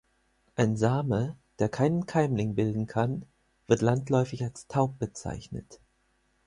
Ein Same, der keinen Keimling bilden kann, wird landläufig als taub bezeichnet.